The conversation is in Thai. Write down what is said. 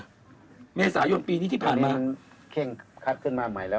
ในเมษายนตร์ปีนี้ที่ผ่านมาตอนนี้เคร่งคัดขึ้นมาใหม่แล้ว